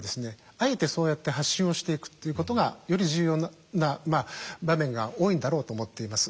あえてそうやって発信をしていくっていうことがより重要な場面が多いんだろうと思っています。